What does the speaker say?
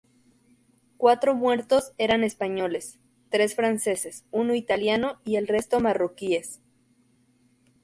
Cuatro muertos eran españoles, tres franceses, uno italiano y el resto marroquíes.